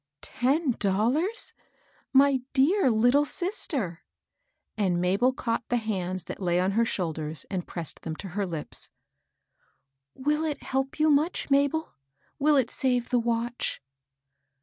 " Ten dollars ? My dear little sister 1 " And Mabel caught the hands that lay on her shoulders and pressed them to her Ups. " Will it help you much, Mabel ? Will it save the watch